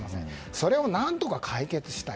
それを何とか解決したい。